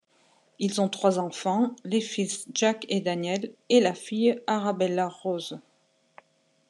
Ils ont trois enfants: les fils Jack et Daniel et la fille Arabella Rose.